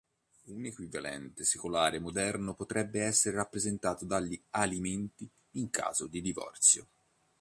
Un equivalente secolare moderno potrebbe essere rappresentato dagli "alimenti" in caso di divorzio.